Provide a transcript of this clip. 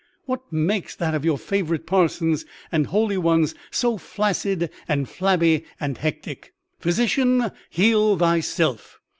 what makes that of your favorite parsons and holy ones so flaccid and flabby and hectic?) 'Physician, heal thyself!